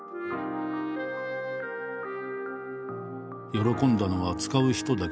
喜んだのは使う人だけではない。